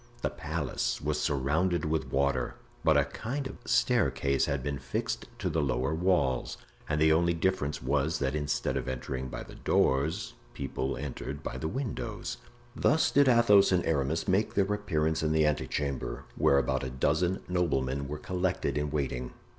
The palace was surrounded with water, but a kind of staircase had been fixed to the lower walls; and the only difference was, that instead of entering by the doors, people entered by the windows. Thus did Athos and Aramis make their appearance in the ante chamber, where about a dozen noblemen were collected in waiting.